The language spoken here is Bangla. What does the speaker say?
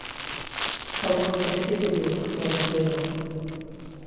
সবগুলো টেস্টেই প্রতিপক্ষ ছিল অস্ট্রেলিয়া দল।